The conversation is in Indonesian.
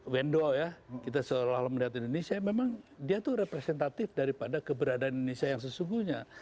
wendo ya kita seolah olah melihat indonesia memang dia tuh representatif daripada keberadaan indonesia yang sesungguhnya